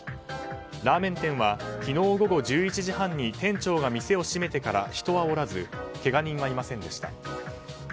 ラーメン店は昨日午後１１時半に店長が店を閉めてから人はおらずけが人はいませんでした。